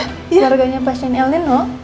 keluarganya pasien el nino